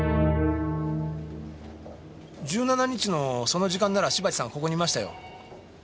１７日のその時間なら芝木さんここにいましたよ。